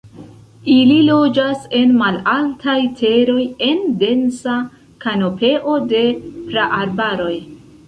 Ili loĝas en malaltaj teroj, en densa kanopeo de praarbaroj.